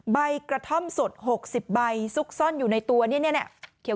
ใบกระท่อมสด๖๐ใบซุกซ่อนอยู่ในตัวเนี่ยเขียว